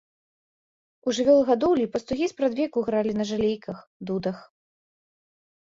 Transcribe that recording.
У жывёлагадоўлі пастухі спрадвеку гралі на жалейках, дудах.